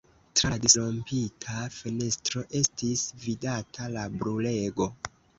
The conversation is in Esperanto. Tra la disrompita fenestro estis vidata la brulego.